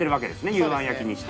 幽庵焼きにして。